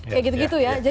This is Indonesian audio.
kayak gitu gitu ya